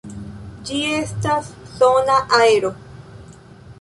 Ĝi estas sona aero.